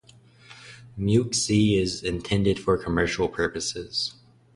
Mux C is intended for commercial programs.